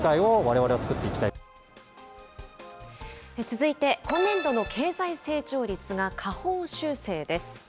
続いて、今年度の経済成長率が下方修正です。